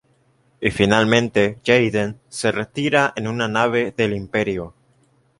Y finalmente, Jaden se retira en una nave del imperio.